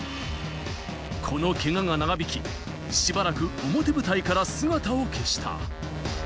このけがが長引き、しばらく表舞台から姿を消した。